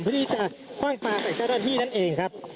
เพื่อที่จะคว่างปลาใส่เจ้าหน้าที่นั่นเองครับ